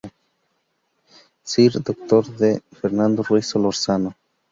Sr. Dr. D. Fernando Ruiz Solórzano.